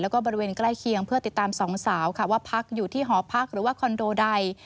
แล้วก็บริเวณใกล้เคียงเพื่อติดตามสองสาวค่ะว่าพักอยู่ที่หอพักหรือว่าคอนโดใด